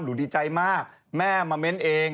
ดีใจมากแม่มาเม้นเอง